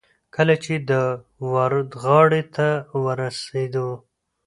کله چې د ورد غاړې ته ورسېدو.